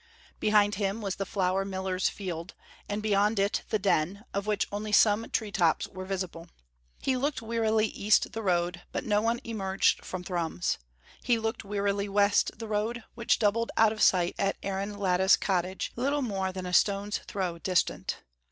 Behind him was the flour miller's field, and beyond it the Den, of which only some tree tops were visible. He looked wearily east the road, but no one emerged from Thrums; he looked wearily west the road, which doubled out of sight at Aaron Latta's cottage, little more than a stone's throw distant.